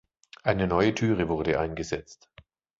Eine neue Türe wurde eingesetzt.